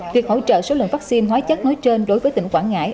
việc hỗ trợ số lượng vắc xin hóa chất nối trên đối với tỉnh quảng ngãi